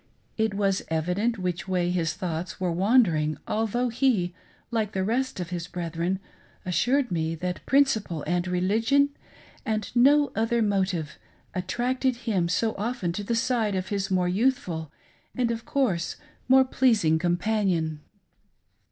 It was evident which way his thoughts were wandering, al though he, like the rest of his brethren, assured me that prin ciple and religion — and no other motive — attracted him so often to the side of his more youthful and, of course, more pleasing companion.